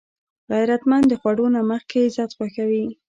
غیرتمند د خوړو نه مخکې عزت خوښوي